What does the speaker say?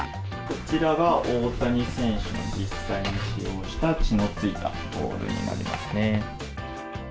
こちらが、大谷選手が実際に使用した血のついたボールになりますね。